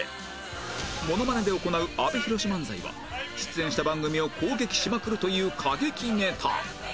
モノマネで行う阿部寛漫才は出演した番組を攻撃しまくるという過激ネタ